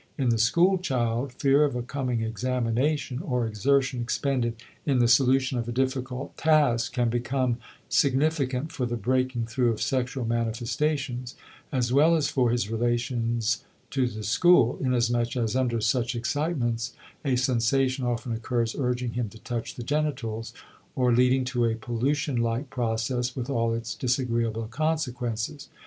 In the school child, fear of a coming examination or exertion expended in the solution of a difficult task can become significant for the breaking through of sexual manifestations as well as for his relations to the school, inasmuch as under such excitements a sensation often occurs urging him to touch the genitals, or leading to a pollution like process with all its disagreeable consequences.